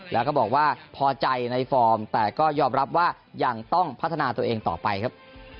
แล้วก็บอกว่าพอใจในฟอร์มแต่ก็ยอมรับว่ายังต้องพัฒนาตัวเองต่อไปครับ